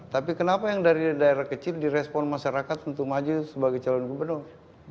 tapi kenapa yang dari daerah kecil direspon masyarakat untuk maju sebagai calon gubernur